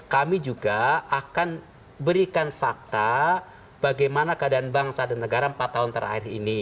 kami juga akan berikan fakta bagaimana keadaan bangsa dan negara empat tahun terakhir ini